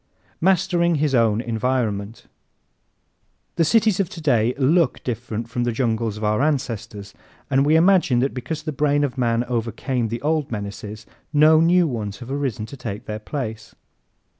Mastering His Own Environment ¶ The cities of today look different from the jungles of our ancestors and we imagine that because the brain of man overcame the old menaces no new ones have arisen to take their place.